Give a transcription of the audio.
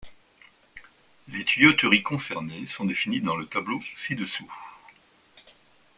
Les tuyauteries concernées sont définies dans le tableau ci-dessous.